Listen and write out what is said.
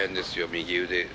右腕。